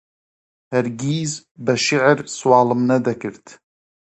هەرگیز بە شیعر سواڵم نەدەکرد